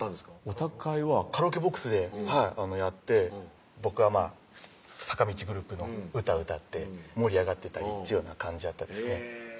オタク会はカラオケボックスでやって僕は坂道グループの歌歌って盛り上がってたりっちゅうような感じやったですね